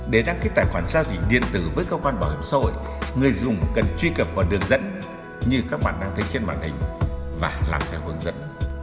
để đăng ký tài khoản giao dịch điện tử với cơ quan bảo hiểm xã hội người dùng cần truy cập vào đường dẫn như các bạn đang thấy trên màn hình và làm theo hướng dẫn